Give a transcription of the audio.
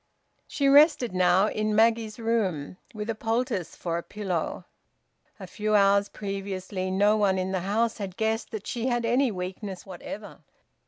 She rested now in Maggie's room, with a poultice for a pillow. A few hours previously no one in the house had guessed that she had any weakness whatever.